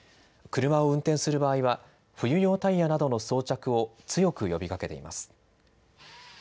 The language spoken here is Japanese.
車を運転する場合は冬用タイヤなどの装着を強く呼びかけています。